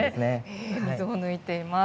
水を抜いています。